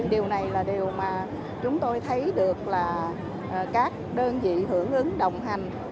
điều này là điều mà chúng tôi thấy được là các đơn vị hưởng ứng đồng hành